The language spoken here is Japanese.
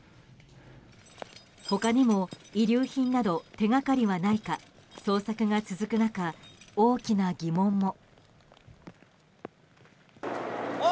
他にも遺留品など手がかりがないか捜索が続く中、大きな疑問も。